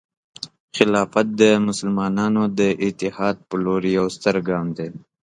خلافت د مسلمانانو د اتحاد په لور یو ستر ګام دی.